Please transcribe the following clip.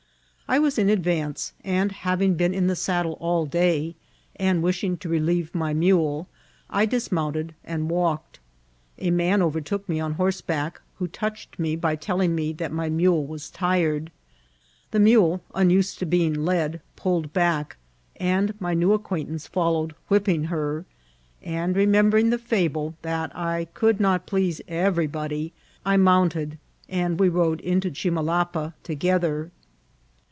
I was in advance; and having been in the saddle all day, and wishing to relieve my mule, I dismounted and walked. A man overtook me on horseback, who touched me by telling me that my mule was tired. The mule, unused to being led, pulled back, and my new acquaintance followed, whipping her ; and remembering the fable, and that I could not please everybody, I mounted, and we rode into Chimalapa to gether.